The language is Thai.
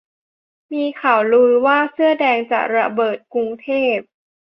มีข่าวลือว่าเสื้อแดงจะระเบิดกรุงเทพ